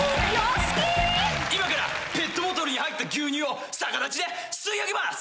今からペットボトルに入った牛乳を逆立ちで吸い上げます！